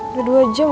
udah dua jam